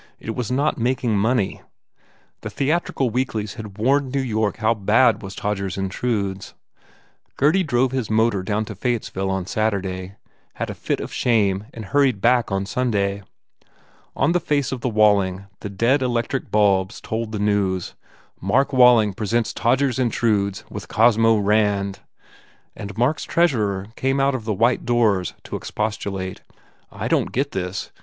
It was not making money. The theatrical weeklies had warned New York how bad was "Todgers Intrudes." Gurdy drove his motor down to Fayettesville on Saturday, had a fit of shame and hurried back on Sunday. On the face of the Walling the dead electric bulbs told the news, "Mark Walling Presents Todgers Intrudes With Cosmo Rand" and Mark s treasurer came out of the white doors to expostulate. "I don t get this.